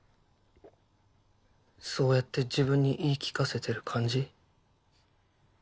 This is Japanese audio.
そうやって自分に言い聞かせてる感じ？